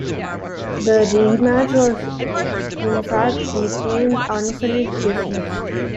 The rematch was, in fact, nicknamed "Unfinished Business".